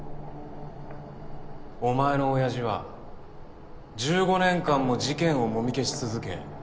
お前の親父は１５年間も事件をもみ消し続け